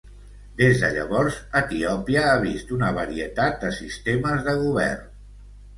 Des de llavors, Etiòpia ha vist una varietat de sistemes de govern.